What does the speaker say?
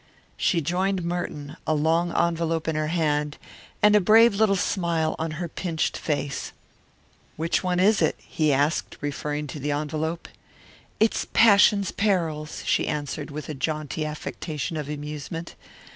She joined Merton, a long envelope in her hand and a brave little smile on her pinched face. "Which one is it?" he asked, referring to the envelope. "It's Passion's Perils." she answered with a jaunty affectation of amusement.